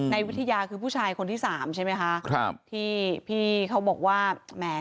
วิทยาคือผู้ชายคนที่สามใช่ไหมคะครับที่พี่เขาบอกว่าแหม